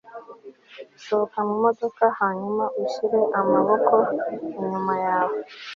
sohoka mumodoka hanyuma ushire amaboko inyuma yawe